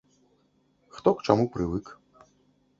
Хто к чаму прывык.